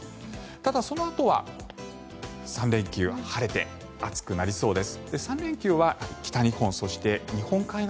ただ、そのあとは３連休晴れて暑くなりそうです。